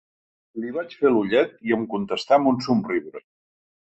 Li vaig fer l'ullet, i em contestà amb un somriure